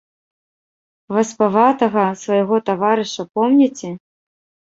Васпаватага свайго таварыша помніце?